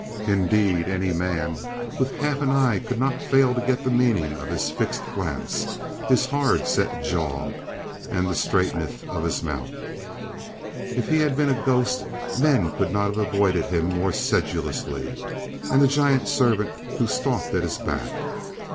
Indeed, any man with half an eye could not fail to get the meaning of his fixed glance, his hard set jaw, and the straightness of his mouth. If he had been a ghost, men could not have avoided him more sedulously, and the giant servant who stalked at his back.